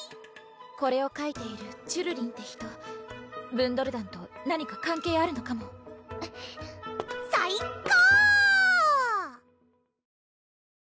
これを書いている「ちゅるりん」って人ブンドル団と何か関係あるのかも最・高！